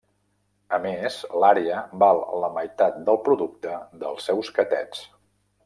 A més l'àrea val la meitat del producte dels seus catets.